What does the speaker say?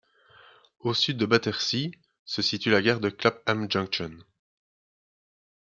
Au sud de Battersea, se situe la gare de Clapham Junction.